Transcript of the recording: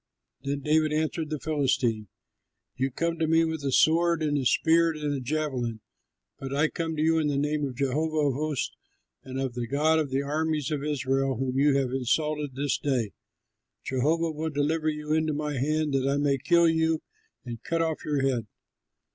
Then David answered the Philistine, "You come to me with a sword and spear and javelin, but I come to you in the name of Jehovah of hosts and of the God of the armies of Israel whom you have insulted this day. Jehovah will deliver you into my hand that I may kill you and cut off your head."